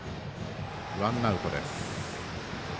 ワンアウトです。